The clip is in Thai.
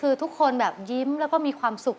เคยเห็นแม่แบบนี้ไหมลูก